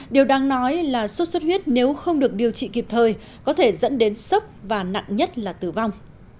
điều đang nói là sốt xuất huyết nếu không được điều trị kịp thời có thể dẫn đến sốc và nặng nhất là tử vong